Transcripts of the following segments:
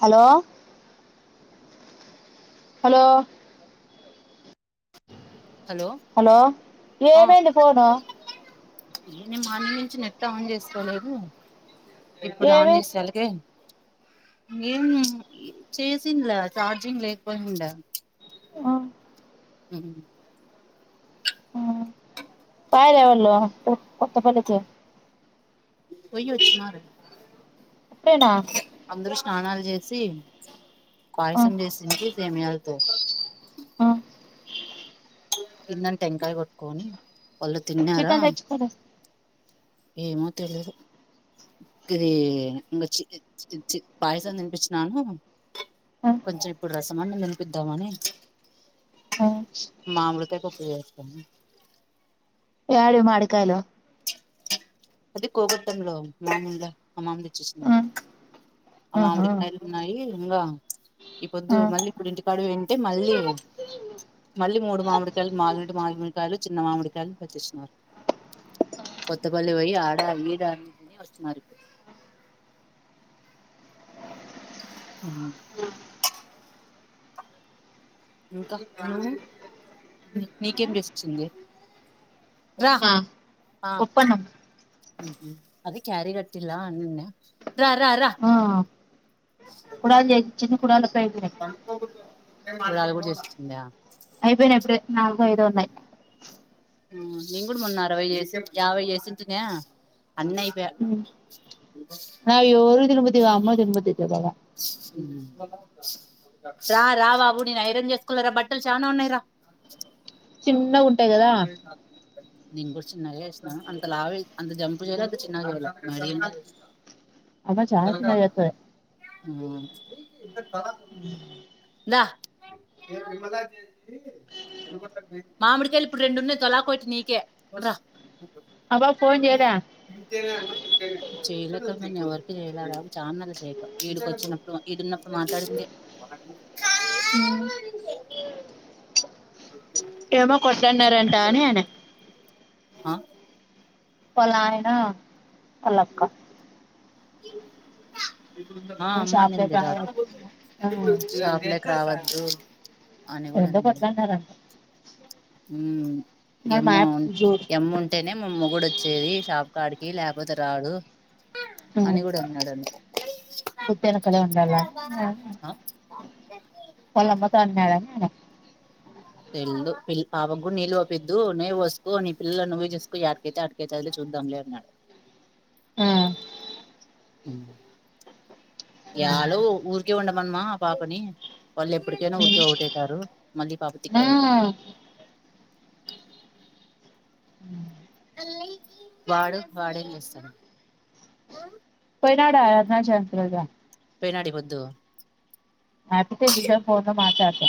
Hello hello hello ఏమయిందే phone ఏ నేను మార్నింగ్ నుంచి నెట్ ఆన్ చేసుకోలేదు ఇప్పుడు ఆన్ ఏమి చేసే సలికే ఏం చేసింలా చార్జింగ్ లేకపోయిండా ఆ ఉ ఉ పైలేవాళ్లు కొత్త పలికి పోయి వచ్చినారు ఇప్పుడేనా అందరూ స్నానాల్ చేసి క్వాయిసం చేసింటి సేమ్యాలతో కిందన్ టంకాయ కొట్టుకోని వాళ్ళు తిన్నారా చికెన్ తెచ్చుకోలే ఏమో తెలీదు కి ఇది ఇంకా చి చి చి పాయసం తినిపించినాన కొంచెం ఇప్పుడు రసం అన్నం తినిపిద్దామని మామిడికాయ పప్పు చేస్తున్న యాడివి మామిడికాయలు అదే కోగటం లో మామలుగా మా మామ తెచ్చి ఇచ్చినాడు అ ఆహా మామిడికాయలు ఉన్నాయి ఇంకా ఈ పొద్దు మళ్ళీ ఇప్పుడు ఇంటికాడికి పాయింటే మళ్ళీ మళ్ళీ మూడు మామిడికాయలు మాగినేటివి మామిడికాయలు చిన్న మామిడికాయలు పెట్టిచ్చినారు కొత్తపల్లి పోయి ఆడ ఈడ అని తిని వచ్చినారు ఆ [inaudible] ఇంకా ఉమ్ నీకేం చేసి ఇచ్చింది రా పొప్పన్నం ఉహు అది క్యారీ కట్టిలా అని అనిండా రా రా రా కుడాలు చేసి చిన్న కుడాలు అయిపోయినాయి కుడాలు కూడా చేస్తుందా అయిపోయినాయి అప్పుడే నాలుగో ఐదో ఉన్నాయి ఉమ్ నేను కూడా మొన్న అరవై చేసి యావై చేసింటినాయా అన్ని అయ్పాయ అయి రోజు తిన్న బుద్ధి కాదు అంబల్ తినబుద్ధి అయితది బాగా ఉ రా రా బాబు నేను ఐరన్ చేసుకోవాలి రా బట్టలు చానా ఉన్నాయిరా చిన్నగా ఉంటాయి కదా నేను కూడ్ చిన్నగా చేసినా అంత లావ అంత జంప్ చెయ్యలే అంత చిన్నగా చెయ్యలే మడియం గా చేసా అమ్మ చానా చిన్నగా అయితది దా మేము విమలాకి చేసి మామిడికాయలు ఇప్పుడు రెండున్నాయి తొలాకోటి నీకే రా ఆ పాప ఫోన్ చేయదా చేయలే అక్క నేను ఎవరికి చేయలే చానా నాళ్ళు చేయక ఈడికి వచ్చినప్పుడు ఈడున్నప్పుడు మాట్లాడిందే హ్మ్ ఓకే ఏమో కొట్టన్నారంట అని అనే ఆ వాళ్ళ ఆయన వాళ్ళ అక్క ఆ అమ్మ అనింది ఆ రాత్రి షాప్లేకి రావద్దు అని కూడా అన్నాడు ఎందుకట్లా అన్నారంట ఉమ్ ఎమ్మ మ్యాప్ చూడు ఎమ్మ ఉంటేనే మా మొగుడు చెయ్యి షాప్ కాడికి లేకపోతే రాడు అని కూడా ఉన్నాడు అం గుద్ధ వెనకాలే ఉండాల అని ఆ వాళ్ళ అమ్మతో అన్నాడు అని అనా తెల్దు పిల్ పాప కూడా నీళ్లు పోపియ్యదు నువ్వు పోసుకో నీ పిల్లలు నువ్వే చూసుకో యాటికైతే అరటికాయతదిలే చు ద్దాంలే అన్నాడు ఆ ఉమ్ యాలో ఊర్కనే ఉండుమనమా ఆ పాపని వాళ్ళు ఎప్పటికైనా ఊరికే ఒకటి అయితారు మళ్ళీ పాప ఆ తిక్కది అయితది వాడు వాడేస్త చెప్పినాడ ఆయా చంకగా వెయనాడి వద్దు హ్యాపీతో ఎంతసేపు ఫోన్ లో మాట్లాడతా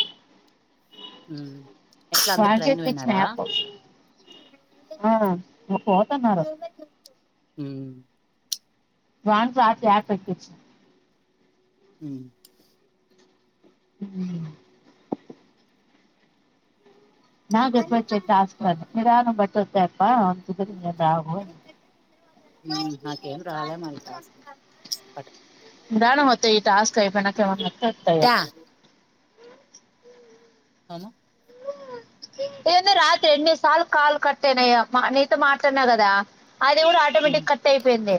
హ వాని చేతికిచ్చిన అప్ ఆ పోతున్నారు ఉ వాన్ కి రాత్ర అప్ ఎక్కించి అ అ నాగప్పు చెట్ ఆస్ నిదనం బట్ కప్ప అప్పు రావు ఉమ్ నాకేం రాలే మళ్ళ టాక్స్లు నిదానంగా మత్త ఈ టాస్క్ అయిపోనాకమతాయా అనా ఇంద రాత్రి ఎన్ని నర్ సార్ కల్ కట్టేనయ నీతో మాట్లాడిన గదా అది కూడా ఉమ్ ఆటోమేటిక్ కట్ అయిపోయింది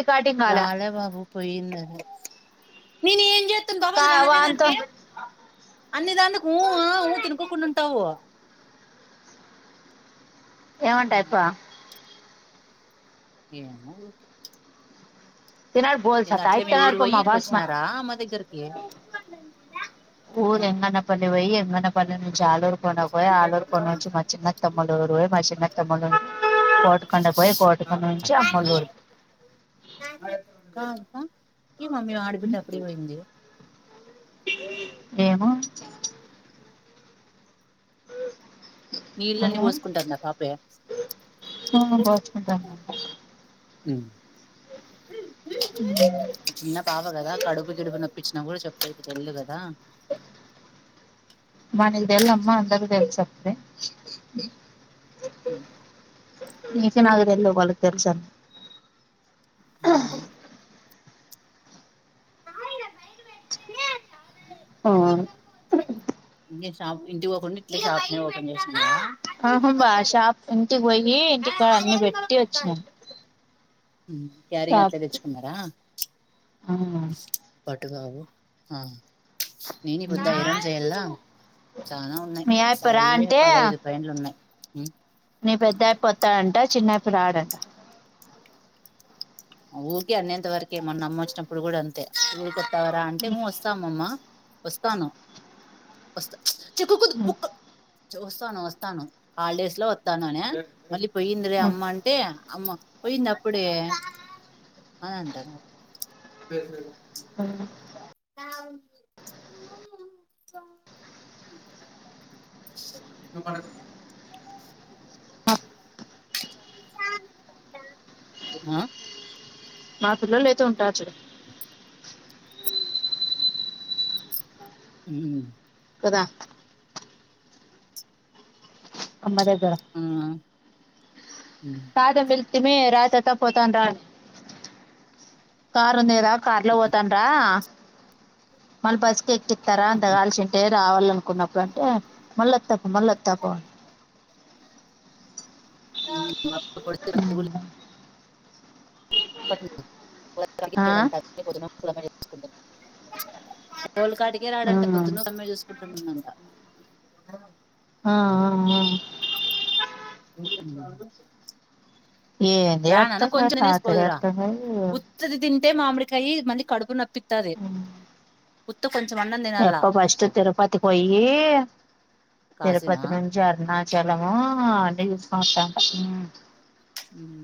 రికార్డింగ్ రాలే నేను ఏం చేస్తాను కా కాబదు వాంతో రాలేదంటే అన్ని దానికు ఊ ఆ తినుకోకుండా ఉంటావు ఏమంటాయిప్ప ఏమో ఓటి తినాడు బోల్స్ నిన్న అత్త అట్లే మీ ఊరు అయితున్నాడు పోయయి మా ఇరికి బాస్మ వచ్చినారా అమ్మ దగ్గరకి ఊ ఎంగన్న పల్లె పోయి ఎంగనా పల్లె చాలా రోజులకి పోయిన ఆలూర్ పోన పోయి ఆలూర్ పోన నుంచి మచ్చ చిన్న తమ్లురు పోయి మచ్చ చిన్న తమ్ములు ఊరు కోటుకండ పోయి కోటుకండ నుంచి అమ్మలుకు ఆ ఏ మామ్ ఆడి బిడ్డ అప్పుడే పోయింది. ఏమో నీళ్ళన్నీ ఏమో పోసుకుంటారు నా కాపే ఉమ్ పోసుకుంటాము చిన్న పాప కదా కడుపు గిడుపు నొప్పించినా కూడా చెప్ బయటికి వెళ్ళు కదా మనకి తేల్మ్ దమ్మ అందరికి తెల్సతతే అ ఈ విషయ నాక తల్ వాదు వాళ్ళ తెరిసా అని ఏమో ఆ ఇగ షాప్ ఇంటికి పోకుండా ఇట్ షాప్ ని ఓపెన్ చేసిన ఆహం బా షాప్ ఇంటికి పోయి ఇంటికా అన్ని పెట్టి వచ్చినాను క్యారీగా అట్లే తెచ్చుకున్నారా పటుగావు నేను బుద్ద ఇరోం చేయల్లా చాలా ఉన్నాయి మీ సా ఆయప్ప రా ఇవే అంటే పదహైదు పైనులు ఉన్నాయి నీ పెద్దప్పి ఓత్తాడంట, చిన్నప్పి రాడంట. ఊరికే అనేంత వరకే మన అమ్మ వచ్చినప్పుడు కూడా అంతే ఊరికొతావరా అంటే. ఉ వస్తా అమ్మమ్మా వస్తాను. వస్తా చెక్కకు గు చుస్తాను వస్తాను హాలిడేస్ లో వస్తాను అనే మళ్ళీ పోయింది రే అమ్మ అంటే అమ్మ పోయింది అప్పుడే అని అంటన్నారు అ [unintelligible] నువ్ పడుకో పోయి ఉమ్మ్ మా పిల్లలు అయితే ఉంటారు‌ చూడు [inaudible] ఉమ్మ్ కదా అమ్మ దగ్గర ఆ ఉమ్ తాత పిలిత్తేనే రా తాతా పోతాం రా కారుంది కదా కార్లో పోతాంరా మన బ స్ ఎక్కిత్తారా అంతగాల్చింటే రావాల అనుకున్నప్పుడు అంటే మళ్ళొతపో మళ్ళొతపో అం [unintelligible] పట్నం [unintelligible] ఆ పిల్లోలుకాటికే రాడంట ఉమ్ పొద్దున అమ్మె చూసుకుంటుందట ఆ ఆ ఆ [unintelligible] ఏంది రా నానా అర్థం కాదు కొంచెం తినేసి తాతది పోదురా అర్థం కాదు ఉత్తది తిం టే మామిడికాయి మళ్లీ కడుపు నొప్పిత్తది ఉత్త కొంచెం అన్నం తినాల యప్ప ఫస్ట్ తిరుపతి పోయ్యి కాసినా తిరుపతి నుంచి అరుణ చలము అన్ని చూసుకుని వస్తాడంట మ్మ్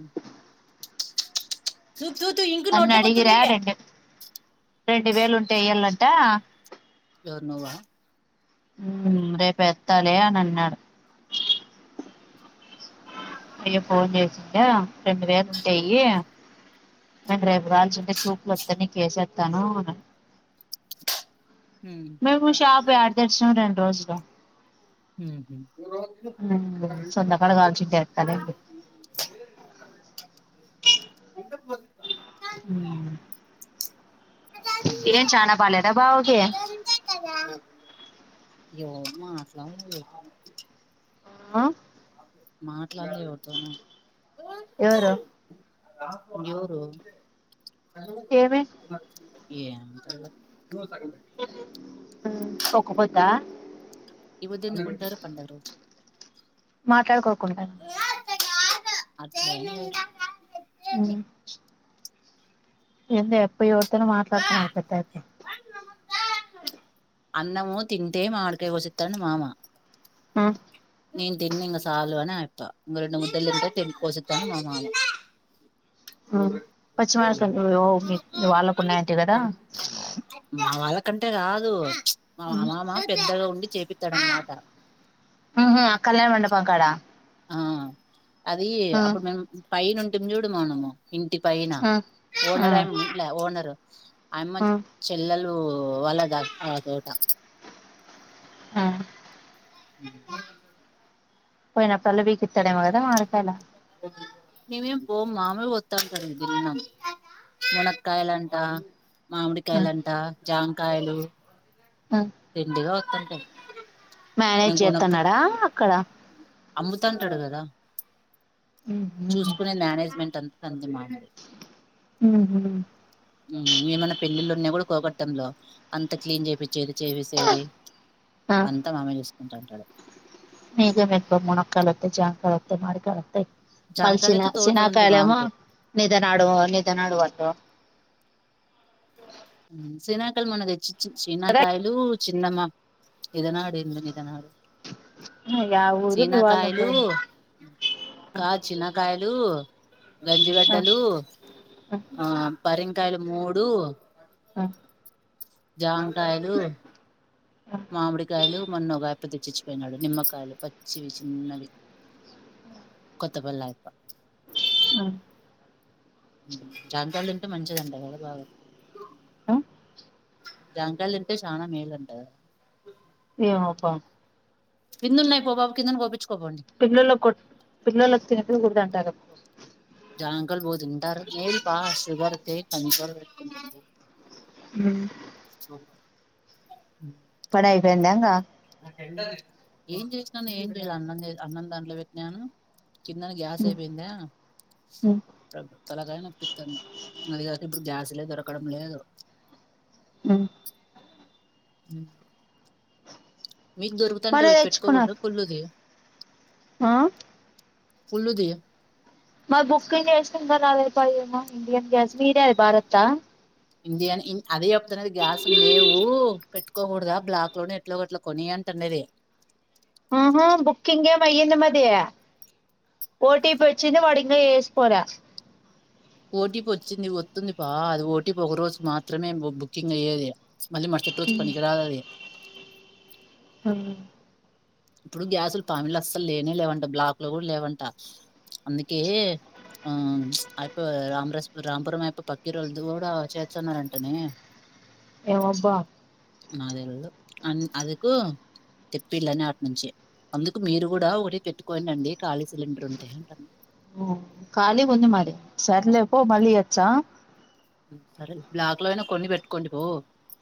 ఇంకు నన్ని అడిగిరా నోట్లోకొత్తుంది రెండు, రెండు వేలు ఉంటే ఏయాలంట ఎవరు నువ్వా హ్మ్ రేపు ఎత్తాలే అని అన్నాడు. అయ్యో ఫోన్ చేసిందా రెండు వేలు ఉంటే ఎయ్యి నేను రేపు కావాల్చుంటే చూపులోత్తే నీకేసేత్తాను అన మేము షాప్ యడ తెరిచినం రెండు రోజులు మ్మ్ సంతకాడ కావాల్చింటే ఏత్తాలే [inaudible] [unintelligible] ఎమ్ చానా బాలేద బావకి మాట్లాడదు ఆ‌ మాట్లాడ్ను ఎవరితోనో ఎవరు ఎవురు ఏమి ఏందో డో సగం లే హ్మ్ ఓకపోద్దా ఈ పొద్దు ఎందుకు ఉంటారు పండగరోజు మాట్లాడుకోకుండా అట్లేం లేదు ఏందే ఆయప్ప ఎవరితోనో మాట్లాడుతున్నాడు పెద్దాయప్ప అన్నము తింటే మామిడికాయ కోసిత్తాడట మామ మ్మ్ నేను తిన్ను ఇంగ సాలు అని ఆయప్ప ఇంగ రెండు ముద్దలు తింటే తిన్ కోసిత్త అని మా మామ హ్మ్ పశ్చిమాడికాయలు యో మి మీవాళ్లకి ఉన్నయంటివి కదా క్కంటే కాదు మా మామామ పెద్దగా ఉండి చేపిత్తాడన్నమాట ఆ కళ్యాణ మండపం కాడా ఆ అది అప్పుడు మేము పైనుంటిమి చూడు మనము ఇంటి పైనా ఓనర్ ఆయమ్మ ఉండ్లా ఓనరు అయమ్మ చెల్లెలు వాళ్లద ఆ తోట ఆ [inaudible] పోయినప్పుడల్లా పికిస్తాడేమో కదా మామిడి కాయలు. మీమేం పోము వాళ్లే వత్తాంటారు దినము మునకాయలాంటా మామిడికాయలంటా జామకాయలు దండిగా వత్తంటాయ్. మ్యానేజ్ చేత్తన్నాడా అక్కడ అమ్ముతాంటాడు కదా చూసుకునే మ్యనేజ్మెంట్ అంత అంతే మామది ఉమ్ ఏమన్నా పెళ్ళిళ్ళు ఉన్నా కూడా పోబాట్ తన్లో అంత క్లీన్ చేపించేది చేసేది అంత మామ చూస్కు వత్తంటాడు మీకే మేలు మునకాయలు వత్తాయ్ జామ్ కాయలు వత్తాయ్ మామిడి కాయలు వత్తాయ్ జాంకాయలు మల్సిన అయితే తోట ఉంది సీనాకయాలేమో మామకి నిదరాడో నిదనాడువంట. సీనాకాయలు మన్న చ్ చ్ చ్ కదా చీనాకాయలు చిన్నమామ్ ఇదనాడ్ ఇంద ఇందనాడు యా ఊరు మీ వాళ్ళు చీనాకాయలు ఉండేది కాద్ చినకాయలు డు ఆ గెంజిగడ్డలు ఆ పరేంగ్ కాయలు మూడు ఆ జామ్ కాయలు ఆ మామిడి కాయలు మొన్న ఓగాయప్ప తెచ్చిపోయినాడు నిమ్మకాయలు పచ్చివి చిన్నవి. [inaudible] కొత్తపల్లియప్ప ఆ జామ్ కాయలు తింటే మంచిదంట కదా బాగా ఆ జామ్ కాయలు తింటే చాలా మేలుంట కదా. ఏమోపా కిందున్నాయి పో బాబు కిందను కోపించుకోపోండి పిల్లల్ల కొట్ పిలల్లోకి తినిపిగుడుదాంటారు. జామ్ కాయలు భల్ తింటారు మేల్పా షుగర్ కి కంట్రోల్ అయితుంది. ఉ [inaudible] పనాయిపోయిందా ఇంగా ఏం చేసినాను ఏం చేయ అన్నం అన్నం దాంట్లో పెట్నాను. కిందను గ్యాస్ అయిపోయిందా ఉ తలాకాయ్ నొప్పిత్తంది అది కాదు ఇప్పుడు గ్యాస్ లే దొరకడం లేదు. [inaudible] మీకు దొరుకుతంటే మరి ఒక్కటి పెట్టుకోకూడదా తెచ్చుకున్నారు ఫుల్ ది. ఆ ఉల్లుది మాద్ బుకింగ్ చేసినా ఇంకా రాలేదుపా ఏమో ఇండియన్ గ్యాస్ మీది యాది భారత్త. ఇండియా నే అదే చెప్తానేది గ్యాస్ లేవు పెట్టుకోకూడదా బ్లాక్ లోనే ఎట్లో అట్లా కొని అంటంనేది. ఆ హో బుక్కింగ్ ఏమో అయింది మాది ఓ టి పి వచ్చింది వాడింగ వేసిపోలా ఓటీపీ వచ్చింది వత్తుంది పా అది ఓటీపీ ఒక రోజు మాత్రమే బు బుకింగ్ అయ్యేది. మళ్లి మరుసటి రోజు పనికిరాదు అది హ ఇప్పుడు గ్యాసులు పామిల్లో అస్సలు లేనే లేవంట బ్లాక్ లో కూడా లేవంట అందుకే. ఆ అయిపో రాంరాజుపూర్ రాంపురం అయ్యప్ప పక్కిరోళది కూడా చెచ్చున్నారంటనే ఏం అబ్బా నాకు తెలవదు అన్ అందుకు చెప్పిల్ అ నాట్ నుంచే అందుకు మీరు కూడా ఒకటి పెట్టుకోండి అండి ఖాళీ సిలిండర్ ఉంటె అంటన్నా ఉ కాలి గుంది మాది సర్లేపో మళ్ళీ ఏచ్చా ఉ సరే బ్లాక్ లో అయినా కొన్ని పెట్టుకోండి బో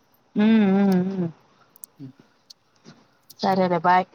ఉమ్ సరే నే బాయ్